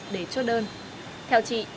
để cho đơn theo chị